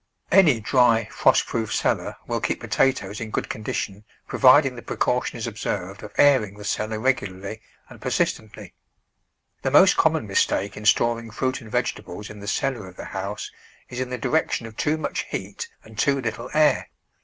Any dry, frost proof cellar will keep potatoes in good condition providing the precaution is ob served of airing the cellar regularly and persist ently. The most common mistake in storing fruit and vegetables in the cellar of the house is in the direction of too much heat and too little air.